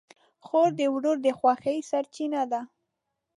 خور د ورور د خوښۍ سرچینه ده.